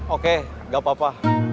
oke gak apa apa